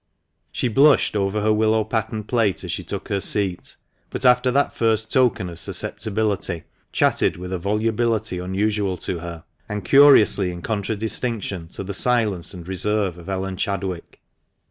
She blushed over her willow pattern plate as she took her seat, but, after that first token of susceptibility, chatted with a volubility unusual to her, and curiously in contradistinction to the silence and reserve of Ellen Chadwick.